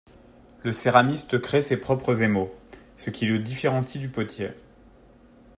Le céramiste crée ses propres émaux, ce qui le différencie du potier.